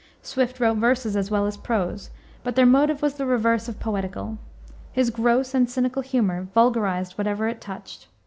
Swift wrote verses as well as prose, but their motive was the reverse of poetical. His gross and cynical humor vulgarized whatever it touched.